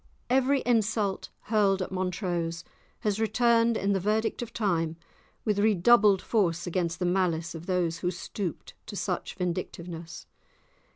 Every insult hurled at Montrose has returned in the verdict of time with redoubled force against the malice of those who stooped to such vindictiveness.